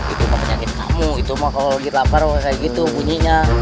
itu mah penyakit kamu itu mah kalau lagi lapar karena begitu bunyinya